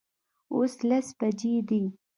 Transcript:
اوس لس بجې دي